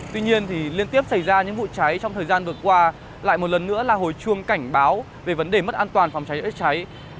tuy nhiên liên tiếp xảy ra những vụ cháy trong thời gian vừa qua lại một lần nữa là hồi chuông cảnh báo về vấn đề mất an toàn phòng cháy ếch cháy